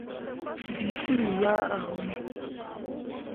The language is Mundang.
Bii tewii ɓo ah hunni.